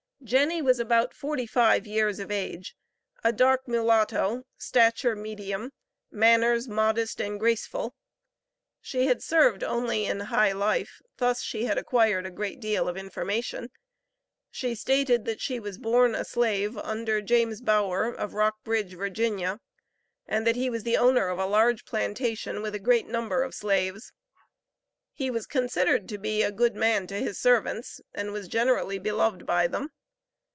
Jenny was about forty five years of age, a dark mulatto, stature medium, manners modest and graceful; she had served only in high life; thus she had acquired a great deal of information. She stated that she was born a slave, under John Bower, of Rockbridge, Virginia, and that he was the owner of a large plantation, with a great number of slaves. He was considered to be a good man to his servants, and was generally beloved by them.